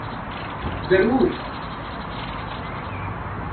ضرور۔